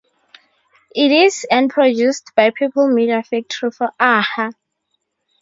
It is and produced by People Media Factory for Aha.